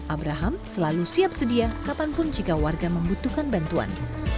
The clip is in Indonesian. abraham selalu siap sedia kapanpun jika warga membutuhkan bantuan